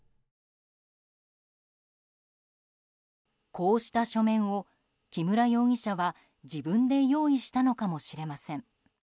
こうした書面を、木村容疑者は自分で用意したのかもしれません。